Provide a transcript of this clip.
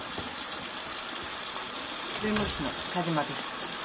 弁護士の梶間です。